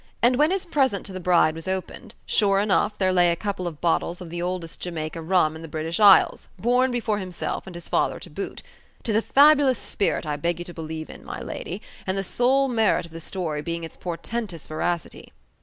And when his present to the bride was opened, sure enough there lay a couple of bottles of the oldest Jamaica rum in the British Isles, born before himself, and his father to boot. 'Tis a fabulous spirit I beg you to believe in, my lady, the sole merit of the story being its portentous veracity.